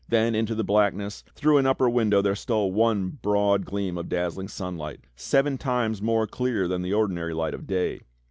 Then into the blackness, through an upper win dow there stole one broad gleam of dazzling sunlight, seven times more clear than the ordinary light of day.